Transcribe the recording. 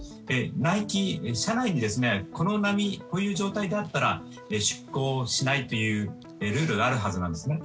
内規、社内にこの波、この状態なら出航しないというルールがあるはずなんですね。